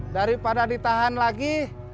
daripada ditahan lagi